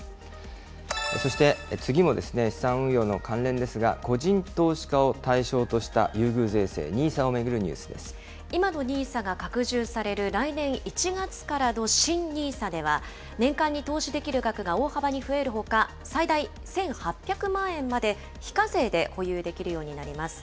そして、次も資産運用の関連ですが、個人投資家を対象とした優遇税制、ＮＩＳＡを巡るニュースで今のＮＩＳＡが拡充される来年１月からの新ＮＩＳＡでは、年間に投資できる額が大幅に増えるほか、最大１８００万円まで、非課税で保有できるようになります。